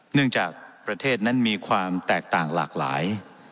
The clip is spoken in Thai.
เนื่องจากประเทศนั้นมีความแตกต่างหลากหลาย